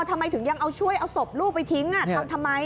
ทำไมถึงยังเอาช่วยเอาศพลูกไปทิ้งทำทำไม